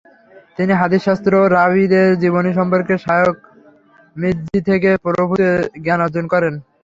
তিনি হাদীসশাস্ত্র ও রাবীদের জীবনী সম্পর্কে শায়খ মিযযী থেকে প্রভূত জ্ঞান অর্জন করেন।